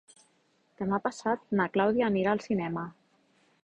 Demà passat na Clàudia anirà al cinema.